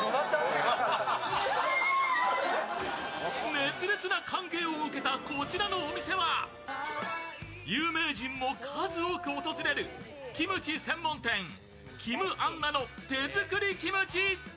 熱烈な歓迎を受けたこちらのお店は有名人も数多く訪れるキムチ専門店、金杏奈の手作りキムチ。